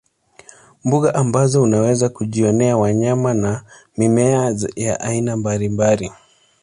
Mbuga ambazo unaweza kujionea wanyama na mimea ya aina mbalimbali